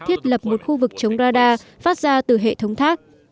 thiết lập một khu vực chống radar phát ra từ hệ thống thác